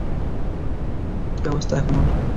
কী অবস্থা এখন ওর?